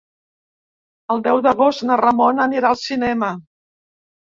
El deu d'agost na Ramona anirà al cinema.